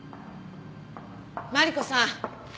マリコさん。